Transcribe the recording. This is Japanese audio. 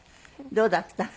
どうだった？